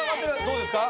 どうですか？